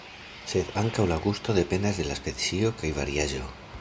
Sed ankaŭ la gusto dependas de la specio kaj variaĵo.